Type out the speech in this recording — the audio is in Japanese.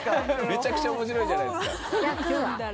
めちゃくちゃ面白いじゃないですか役が？